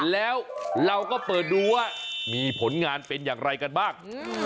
แล้วเราก็เปิดดูว่ามีผลงานเป็นอย่างไรกันบ้าง